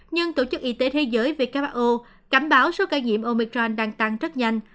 nhưng tổ chức y tế thế giới who cảm báo số ca nhiễm omicron đang tăng rất nhanh